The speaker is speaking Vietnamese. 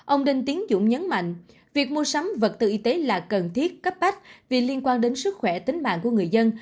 ông đinh tiến dũng nhấn mạnh việc mua sắm vật tư y tế là cần thiết cấp bách vì liên quan đến sức khỏe tính mạng của người dân